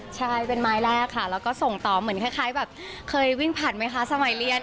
ใช่เป็นไม้แรกค่ะแล้วก็ส่งต่อเหมือนคล้ายแบบเคยวิ่งผ่านไหมคะสมัยเรียน